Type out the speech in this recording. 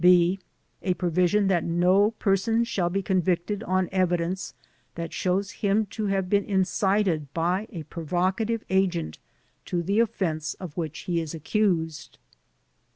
b. A provision that no person shall be convicted on evidence that shows him to have been incited by a provocative agent to the offense of which he is accused.